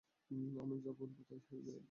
আমি যা বলিব তাই হইবে।